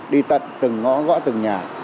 đi tận từng ngõ gõ từng nhà